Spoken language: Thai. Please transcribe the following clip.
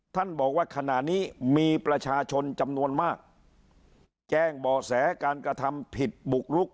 ท่านบอกว่าขณะนี้มีประชาชนจำนวนมากแจ้งบ่อแสการกระทำผิดบุกรุก